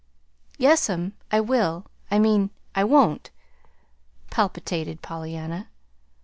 "Yes'm, I will I mean, I won't," palpitated Pollyanna.